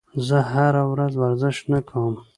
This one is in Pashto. زه هره ورځ ورزش نه کوم.